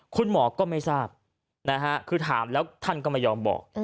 คุณหมอก็ไม่ทราบนะฮะคือถามแล้วท่านก็ไม่ยอมบอก